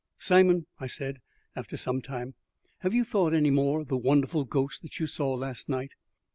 "Simon," I said, after some time, "have you thought any more of the wonderful ghost that you saw last night?"